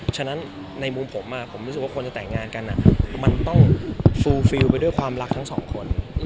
ฉะนั้นในมุมผมผมรู้สึกว่าคนจะแต่งงานกันมันต้องฟูฟิลไปด้วยความรักทั้งสองคน